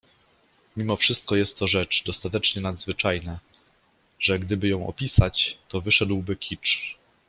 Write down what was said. Mimo wszystko jest to rzecz dostatecznie nadzwyczajna, że gdyby ją opisać, to wyszedłby kicz.